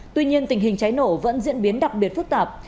tuy nhiên tình hình cháy nổ vẫn diễn biến đặc biệt phức tạp